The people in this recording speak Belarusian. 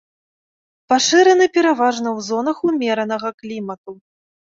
Пашыраны пераважна ў зонах умеранага клімату.